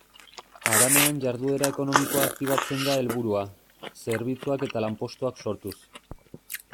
Haranean jarduera ekonomikoa aktibatzea da helburua, zerbitzuak eta lanpostuak sortuz.